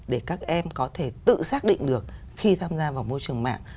để các em có thể tự xác định được khi tham gia vào môi trường mạng